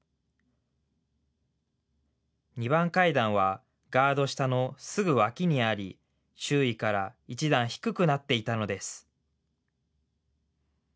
２番階段はガード下のすぐ脇にあり、周囲から１段低くなっていたのです。